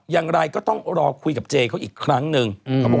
อย่างไรก็ต้องรอคุยกับเจเขาอีกครั้งหนึ่งเขาบอก